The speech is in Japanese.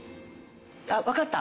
わかった！